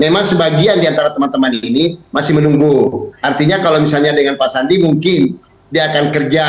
memang sebagian diantara teman teman ini masih menunggu artinya kalau misalnya dengan pak sandi mungkin dia akan kerja